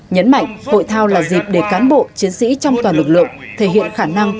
nhấn mạnh hội thao là dịp để cán bộ chiến sĩ trong toàn lực lượng thể hiện khả năng